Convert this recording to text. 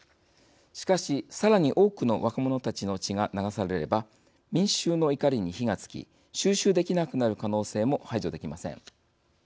しかし、さらに多くの若者たちの血が流されれば民衆の怒りに火がつき収拾できなくなる可能性も排除できません。